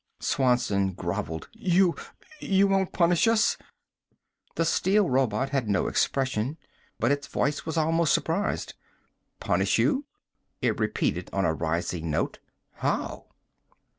Swanson groveled. "You you won't punish us?" The steel robot had no expression, but its voice was almost surprised. "Punish you?" it repeated on a rising note. "How?"